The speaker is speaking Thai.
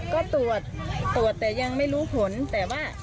ก็ตรวจตรวจแต่ยังไม่รู้ผลแต่ว่า